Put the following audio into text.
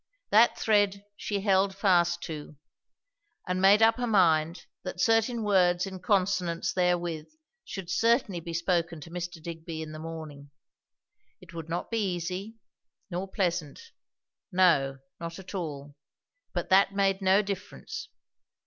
That thread she held fast to; and made up her mind that certain words in consonance therewith should certainly be spoken to Mr. Digby in the morning. It would not be easy, nor pleasant. No, not at all; but that made no difference.